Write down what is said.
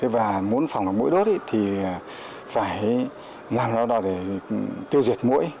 và muốn phòng mũi đốt thì phải làm ra đó để tiêu diệt mũi